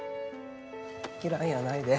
嫌いやないで。